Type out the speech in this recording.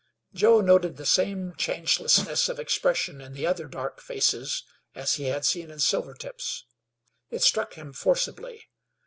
Joe noted the same changelessness of expression in the other dark faces as he had seen in Silvertip's. It struck him forcibly.